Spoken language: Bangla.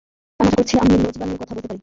আমি আশা করছি আমি লোজবানে কথা বলতে পারি।